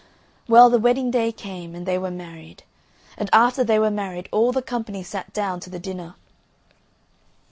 Well, the wedding day came, and they were married. And after they were married all the company sat down to the dinner.